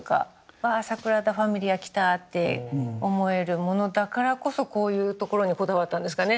わあサグラダ・ファミリア来たって思えるものだからこそこういうところにこだわったんですかね。